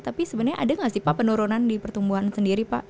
tapi sebenarnya ada nggak sih pak penurunan di pertumbuhan sendiri pak